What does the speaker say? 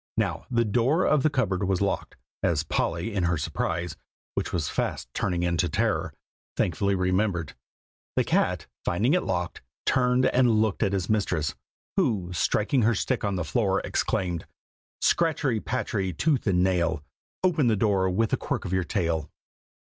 Now the door of the cupboard was locked, as Polly, in her surprise, (which was fast turning into terror,) thankfully remembered. The cat, finding it locked, turned and looked at his mistress, who, striking her stick on the floor, exclaimed "Scratchery, patchery, tooth and nail; Open the door with a quirk of your tail."